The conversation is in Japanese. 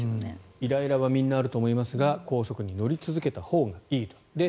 イライラはみんなあると思いますが高速に乗り続けたほうがいいと。